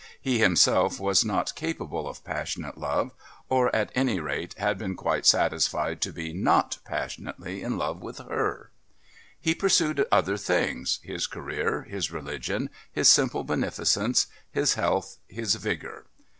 He himself was not capable of passionate love, or, at any rate, had been quite satisfied to be not passionately in love with her. He pursued other things his career, his religion, his simple beneficence, his health, his vigour.